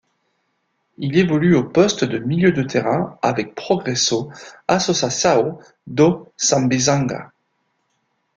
Il évolue au poste de milieu de terrain avec Progresso Associação do Sambizanga.